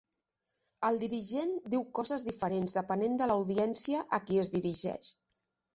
El dirigent diu coses diferents depenent de l'audiència a qui es dirigeix